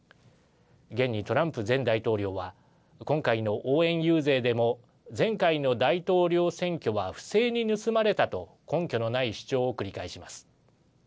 現にトランプ前大統領は今回の応援遊説でも前回の大統領選挙は不正に盗まれたと根拠のない主張を繰り返します。